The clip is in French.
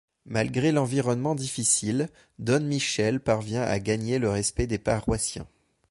Malgré l'environnement difficile, Don Michele parvient à gagner le respect des paroissiens.